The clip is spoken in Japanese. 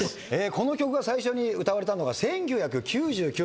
この曲が最初に歌われたのが１９９９年。